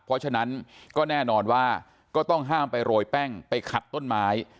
เพราะฉะนั้นก็แน่นอนว่าก็ต้องห้ามไปโรยแป้งไปขัดต้นไม้